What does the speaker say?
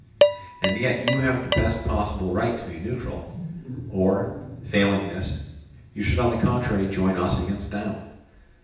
And yet you have the best possible right to be neutral, or, failing this, you should on the contrary join us against them.